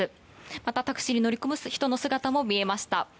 また、タクシーに乗り込む人の姿も見えました。